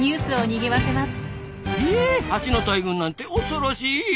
ひえハチの大群なんて恐ろしい。